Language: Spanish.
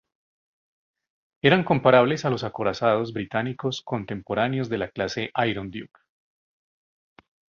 Eran comparables a los Acorazados Británicos contemporáneos de la clase Iron Duke.